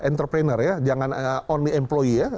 entrepreneur ya jangan only employe ya